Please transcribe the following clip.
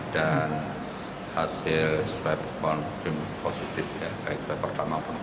dan di jawa tengah juga ada guru dari smp tiga jekulo yang umur empat puluh lima tahun itu juga meninggal